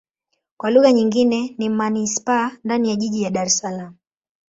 Kwa lugha nyingine ni manisipaa ndani ya jiji la Dar Es Salaam.